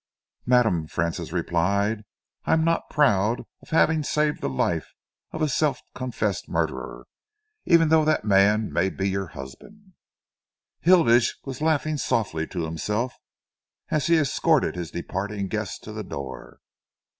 "Madam," Francis replied, "I am not proud of having saved the life of a self confessed murderer, even though that man may be your husband." Hilditch was laughing softly to himself as he escorted his departing guest to the door.